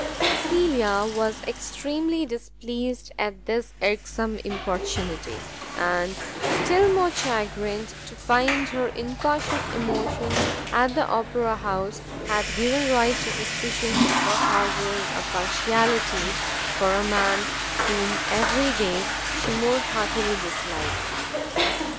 Cecilia was extremely displeased at this irksome importunity, and still more chagrined to find her incautious emotion at the Opera house, had given rise to suspicions of her harbouring a partiality for a man whom every day she more heartily disliked.